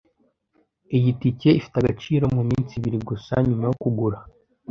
Iyi tike ifite agaciro muminsi ibiri gusa nyuma yo kugura